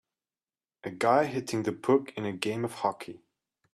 a guy hitting the puck in a game of hockey.